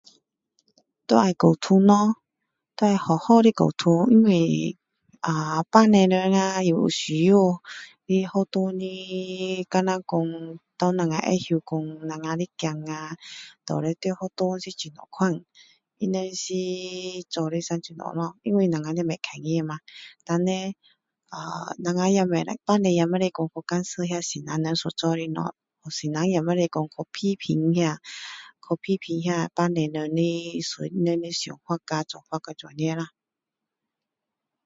就要沟通咯就要好好的沟通因为啊父母们啊有需要他学校的就像说给我们会知道说我们的孩子啊到底在学校是怎么样他们是做的是什么东西因为我们是看不见然后呃我们也不可以父母也不可以去干事那老师所做的东西老师也不可以说去批评那去批评那父母们的他们的想法啊做法这样的啦